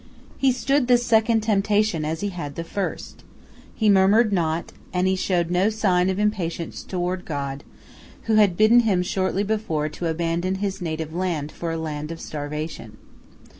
He stood this second temptation as he had the first. He murmured not, and he showed no sign of impatience toward God, who had bidden him shortly before to abandon his native land for a land of starvation.